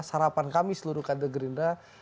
sarapan kami seluruh kader gerindra